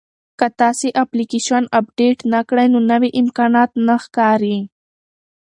که تاسي اپلیکیشن اپډیټ نه کړئ نو نوي امکانات نه ښکاري.